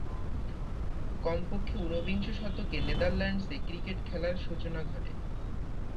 কমপক্ষে ঊনবিংশ শতকে নেদারল্যান্ডসে ক্রিকেট খেলার সূচনা ঘটে।